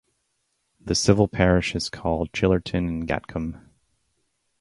The Civil Parish is called Chillerton and Gatcombe.